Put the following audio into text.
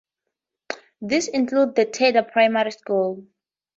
This includes the Tedder primary school.